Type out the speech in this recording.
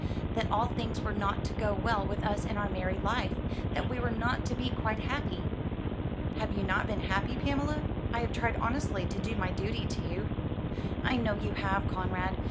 "That all things were not to go well with us in our married life; that we were not to be quite happy." "Have you not been happy, Pamela? I have tried honestly to do my duty to you." "I know you have, Conrad.